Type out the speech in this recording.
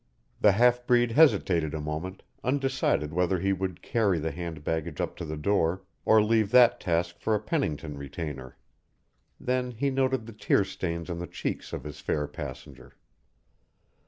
The half breed hesitated a moment, undecided whether he would carry the hand baggage up to the door or leave that task for a Pennington retainer; then he noted the tear stains on the cheeks of his fair passenger.